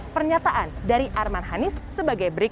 pernyataan dari arman hanis sebagai berikut